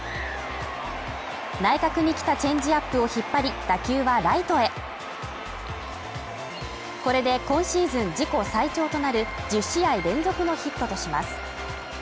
内角にきたチェンジアップを引っ張り打球はライトへこれで今シーズン自己最長となる１０試合連続のヒットとします。